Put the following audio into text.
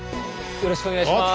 よろしくお願いします。